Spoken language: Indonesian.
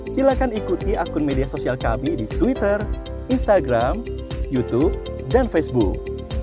silahkan ikuti akun media sosial kami di twitter instagram youtube dan facebook